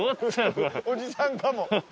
おじさんかも。